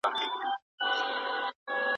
ماشومانو ته په کوچنیوالي کې سم ملاتړ اړین دی.